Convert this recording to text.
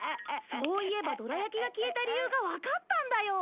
そういえばどら焼きが消えた理由がわかったんだよ。